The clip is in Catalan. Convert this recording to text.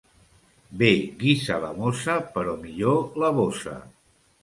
Bé guisa la mossa, però millor la bossa.